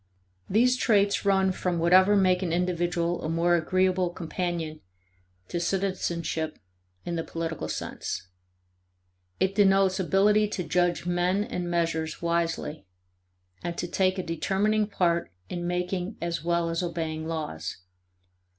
These traits run from whatever make an individual a more agreeable companion to citizenship in the political sense: it denotes ability to judge men and measures wisely and to take a determining part in making as well as obeying laws.